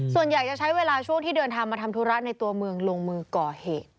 ส่วนใหญ่จะใช้เวลาช่วงที่เดินทางมาทำธุระในตัวเมืองลงมือก่อเหตุ